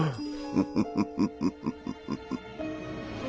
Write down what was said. フフフフ。